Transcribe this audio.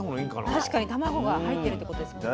確かに卵が入ってるってことですもん。